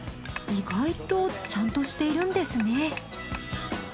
意外とちゃんとしているんですね。